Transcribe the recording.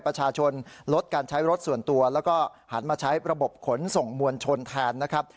ประชาชนลดการใช้รถส่วนตัวแล้วก็หันมาใช้ระบบขนส่งมวลชนแทนนะครับ